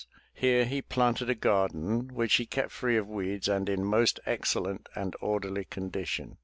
Here he planted a garden which he kept free of weeds and in most excellent and orderly condition.